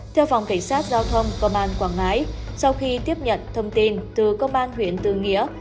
theo phòng cảnh sát giao thông công an quảng ngãi sau khi tiếp nhận thông tin từ công an huyện tư nghĩa